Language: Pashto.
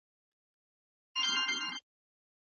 طبیعي اړتیاوې خلګ یو بل ته نږدې کوي.